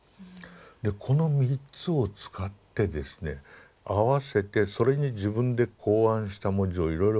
でこの３つを使ってですね合わせてそれに自分で考案した文字をいろいろ考えて彼は文字を作った。